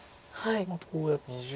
こうやって。